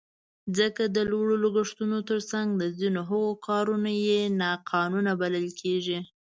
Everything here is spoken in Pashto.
ځکه د لوړو لګښتونو تر څنګ د ځینو هغو کارونه یې ناقانونه بلل کېږي.